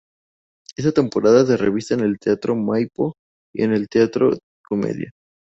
Hizo temporadas de revista en el Teatro Maipo y en el Teatro Comedia.